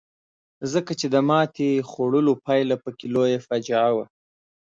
ځکه چې د ماتې خوړلو پایله پکې لویه فاجعه وي.